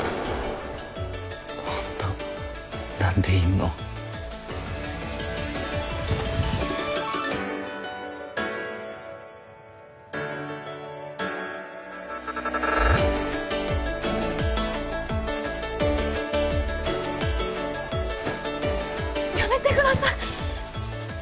ホント何でいんのやめてください！